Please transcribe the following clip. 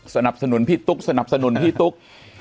สนับสนุนพี่ตุ๊กสนับสนุนพี่ตุ๊ก